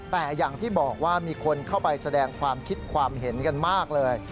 แต่อย่างที่บอกว่ามีคนเข้าไปแสดงความคิดความเห็นกันมากเลย